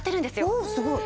おおすごい。